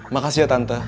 makasih ya tante